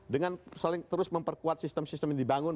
dengan saling terus memperkuat sistem sistem yang dibangun